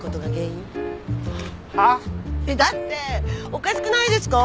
だっておかしくないですか？